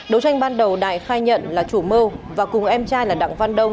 đấu tranh ban đầu đại khai nhận là chủ mưu và cùng em trai là đặng văn đông